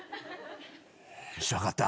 よし分かった。